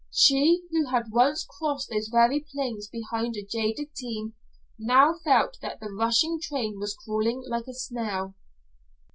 She who had once crossed those very plains behind a jaded team now felt that the rushing train was crawling like a snail.